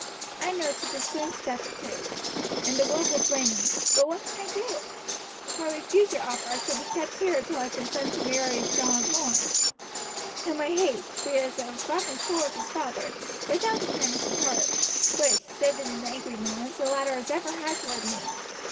I know 'tis a strange step to take, and the world will blame me; but what can I do? If I refuse your offer I shall be kept a prisoner here until I consent to marry John of Lorne, whom I hate, for he is as rough and cruel as his father, without the kindness of heart, which, save in his angry moments, the latter has ever had toward me.